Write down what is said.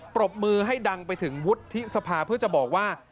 ปรบมือให้ดังไปถึงวุฒิสภาเพื่อจะบอกว่า